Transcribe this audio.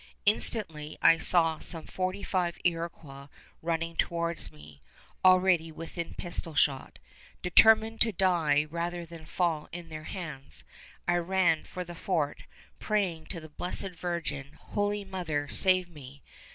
Instantly I saw some forty five Iroquois running towards me, already within pistol shot. Determined to die rather than fall in their hands, I ran for the fort, praying to the Blessed Virgin, "Holy Mother, save me!